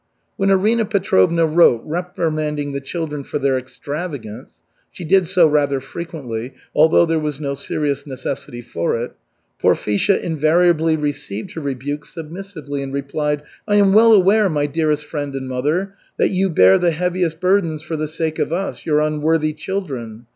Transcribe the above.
When Arina Petrovna wrote reprimanding the children for their extravagance she did so rather frequently, although there was no serious necessity for it Porfisha invariably received her rebuke submissively and replied: "I am well aware, my dearest friend and mother, that you bear the heaviest burdens for the sake of us, your unworthy children.